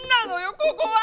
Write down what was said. ここは！